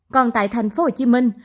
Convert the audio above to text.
còn tại thành phố hồ chí minh